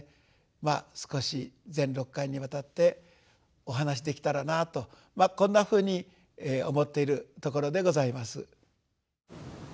まあ少し全６回にわたってお話しできたらなぁとこんなふうに思っているところでございます。